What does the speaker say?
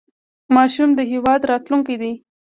ماشومان د هېواد راتلونکی دی